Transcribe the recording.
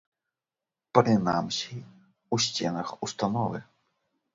Прынамсі, у сценах установы.